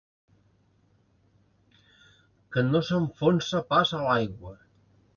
Que no s'enfonsa pas a l'aigua.